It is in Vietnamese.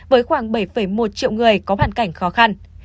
với khoảng bảy một triệu người có hoàn cảnh khó khăn